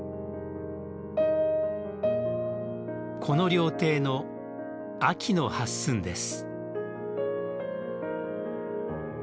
この料亭の「秋の八寸」です。